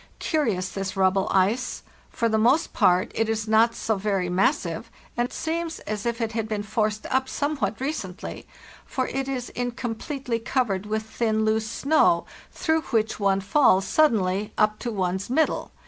Curious this rubble ice. For the most part it is not so very mas sive, and seems as if it had been forced up somewhat recently, for it is incompletely covered with thin, loose snow, through which one falls suddenly up to one's mid dle.